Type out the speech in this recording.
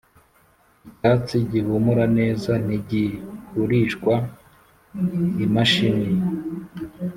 Icyatsi gihumura neza ntigihurishwa imashini,